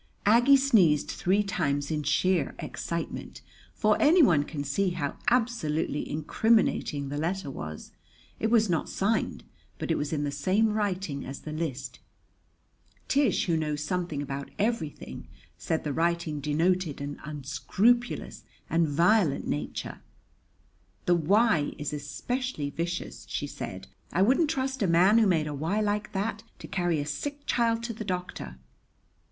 Aggie sneezed three times in sheer excitement; for anyone can see how absolutely incriminating the letter was. It was not signed, but it was in the same writing as the list. Tish, who knows something about everything, said the writing denoted an unscrupulous and violent nature. "The y is especially vicious," she said. "I wouldn't trust a man who made a y like that to carry a sick child to the doctor!"